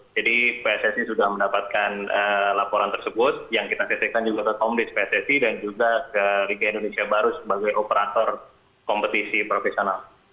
jadi pssi sudah mendapatkan laporan tersebut yang kita sesekan juga ke komunis pssi dan juga ke riga indonesia baru sebagai operator kompetisi profesional